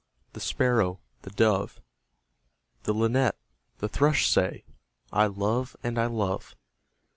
The Sparrow, the Dove, The Linnet and Thrush say, 'I love and I love!'